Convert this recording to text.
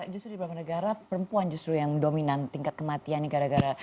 justru di beberapa negara perempuan justru yang dominan tingkat kematiannya gara gara